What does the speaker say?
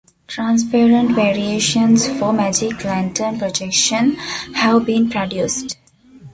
Transparent variations for magic lantern projection have been produced.